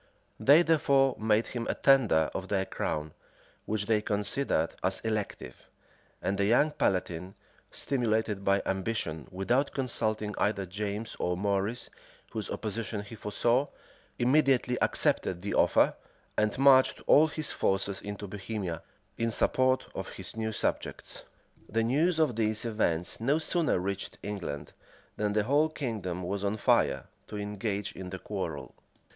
They therefore made him a tender of their crown, which they considered as elective; and the young palatine, stimulated by ambition, without consulting either James[*] or Maurice, whose opposition he foresaw, immediately accepted the offer, and marched all his forces into Bohemia, in support of his new subjects. The news of these events no sooner reached England, than the whole kingdom was on fire to engage in the quarrel.